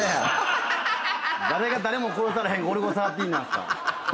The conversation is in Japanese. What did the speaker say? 誰が誰も殺されへんゴルゴ１３なんすか。